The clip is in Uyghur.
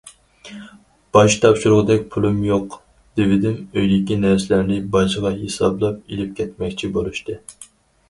« باج تاپشۇرغۇدەك پۇلۇم يوق» دېۋىدىم، ئۆيدىكى نەرسىلەرنى باجغا ھېسابلاپ ئېلىپ كەتمەكچى بولۇشتى.